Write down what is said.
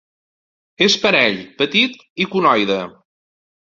És parell, petit i conoide.